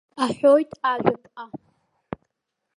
Аҳәоит ажәаԥҟа.